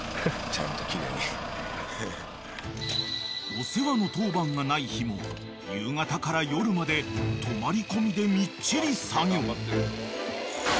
［お世話の当番がない日も夕方から夜まで泊まり込みでみっちり作業］